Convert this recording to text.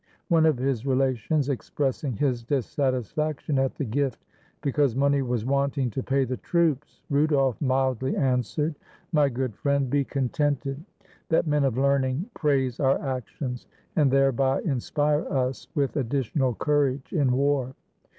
One of his relations expressing his dissatisfaction at the gift, be cause money was wanting to pay the troops, Rudolf mildly answered, "My good friend, be contented that STORIES OF RUDOLF men of learning praise our actions, and thereby inspire us with additional courage in war.